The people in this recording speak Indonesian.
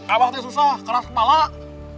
abah tuh susah keras malah